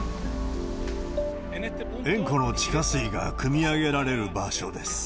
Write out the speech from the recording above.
塩湖の地下水がくみ上げられる場所です。